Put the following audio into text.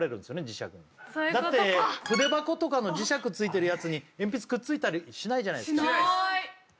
磁石にそういうことかだって筆箱とかの磁石付いてるやつに鉛筆くっついたりしないじゃないですかしない！